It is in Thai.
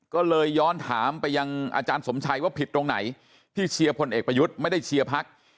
ก็เลยย้อนถามไปยังอาจารย์สมชัยว่าผิดตรงไหนที่เชียร์พลเอกประยุทธ์ไม่ได้เชียร์พัก